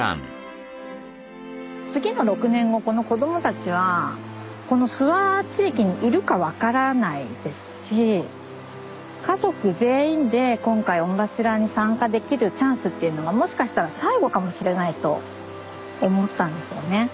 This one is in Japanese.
次の６年後この子どもたちはこの諏訪地域にいるか分からないですし家族全員で今回御柱に参加できるチャンスっていうのがもしかしたら最後かもしれないと思ったんですよね。